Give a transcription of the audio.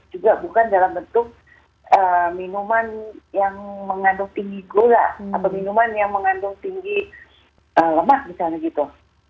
juga bukan dalam bentuk minuman yang mengandung tinggi gula atau minuman yang mengandung tinggi lemak misalnya gitu